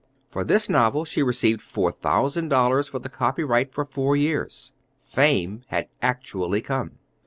For this novel she received four thousand dollars for the copyright for four years. Fame had actually come.